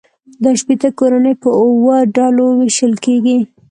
دا شپیته کورنۍ په اووه ډلو وېشل کېږي